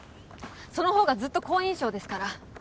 そのほうがずっと好印象ですから。